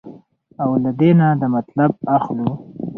او له دې نه دا مطلب اخلو